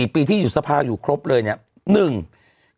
๔ปีที่อยู่สภาอยู่ครบเลยเนี่ย